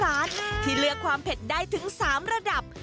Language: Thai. เป็นสูตรเฉพาะของที่ร้านที่เลือกความเผ็ดได้ถึง๓ระดับ